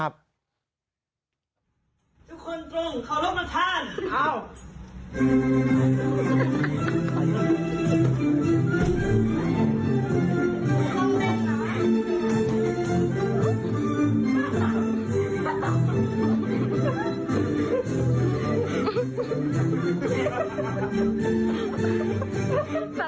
ทุกคนตรงขอรบมาทาน